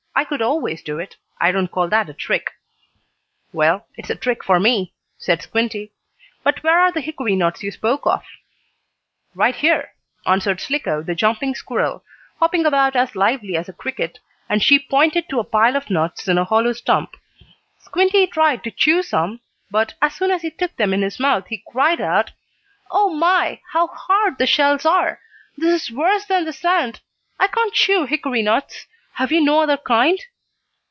I could always do it. I don't call that a trick." "Well, it is a trick for me," said Squinty. "But where are the hickory nuts you spoke of?" "Right here," answered Slicko, the jumping squirrel, hopping about as lively as a cricket, and she pointed to a pile of nuts in a hollow stump. Squinty tried to chew some, but, as soon as he took them in his mouth he cried out: "Oh my! How hard the shells are! This is worse than the sand! I can't chew hickory nuts! Have you no other kind?"